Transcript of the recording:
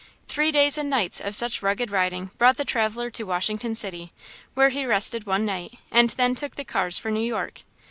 Three days and nights of such rugged riding brought the traveler to Washington City, where he rested one night and then took the cars for New York.